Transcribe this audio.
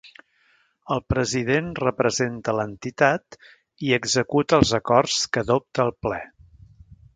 El President representa l'entitat i executa els acords que adopta el ple.